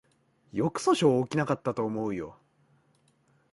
よく訴訟起きなかったと思うよ